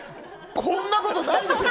こんなことないだろ！